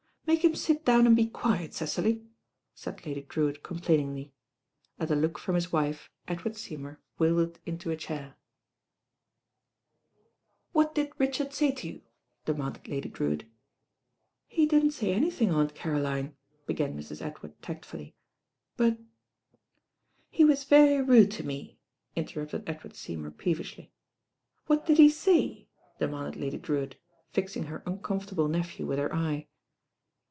"Make him sit down and be quiet, Cecily," said Lady Drewitt complainingly. At a look from his wife Edward Seymour wilted into a chair. LADY DREWITT SPEAKS HER MK«) 109 ••Whit did Richard My to you?" demanded Lady "He didn't say anything, Aunt Caroline," benn Mn. Edward tactfully, "but " "He wat very rude to me," interrupted Edward Seymour peevishly. "What did he lay?" demanded Udy Drewitt, fixing her uncomfortable nephew with her eye.